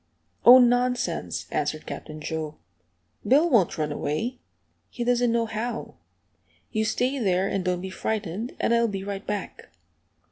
"Oh, nonsense!" answered Captain Joe. "Bill won't run away. He doesn't know how. You stay there, and don't be frightened, and I'll be right back."